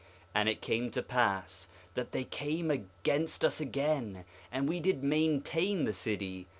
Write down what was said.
5:4 And it came to pass that they came against us again, and we did maintain the city.